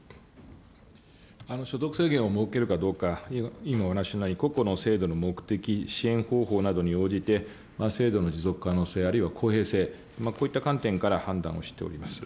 所得制限を設けるかどうか、委員もお話のように、個々の制度の目的、支援方法などに応じて、制度の持続可能性、あるいは公平性、こういった観点から判断をしております。